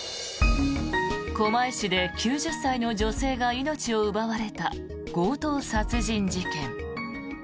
狛江市で９０歳の女性が命を奪われた強盗殺人事件。